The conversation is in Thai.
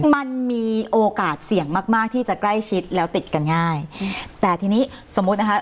มันมีโอกาสเสี่ยงมากมากที่จะใกล้ชิดแล้วติดกันง่ายแต่ทีนี้สมมุตินะคะ